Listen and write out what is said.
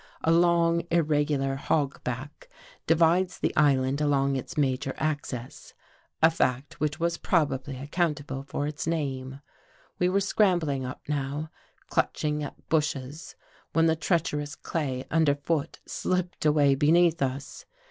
'A long irregular hog back divides the island along its major axis — a fact which was probably accountable for its name. We were scrambling up now, clutch ing at bushes when the treacherous clay underfoot 19 281 THE GHOST GIRL slipped away beneath us.